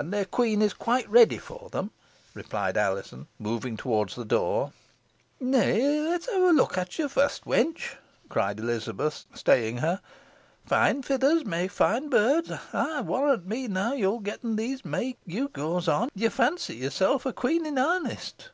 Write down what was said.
"And their Queen is quite ready for them," replied Alizon, moving towards the door. "Neigh, let's ha' a look at ye fust, wench," cried Elizabeth, staying her; "fine fitthers may fine brids ey warrant me now yo'n getten these May gewgaws on, yo fancy yourself a queen in arnest."